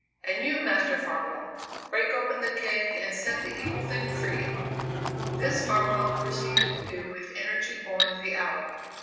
"And you, Master Farwell, break open the keg and set the evil thing free." This Farwell proceeded to do with energy born of the hour.